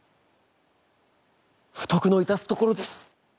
不徳の致すところです。